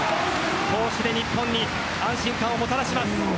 こうして日本に安心感をもたらします。